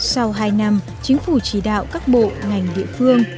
sau hai năm chính phủ chỉ đạo các bộ ngành địa phương